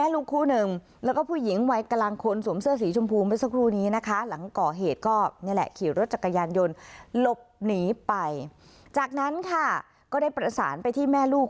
รถจักรยานยนต์หลบหนีไปจากนั้นค่ะก็ได้ประสานไปที่แม่ลูก